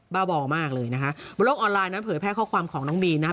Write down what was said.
บ้าบอมากเลยนะคะบนโลกออนไลน์นั้นเผยแพร่ข้อความของน้องบีนะครับ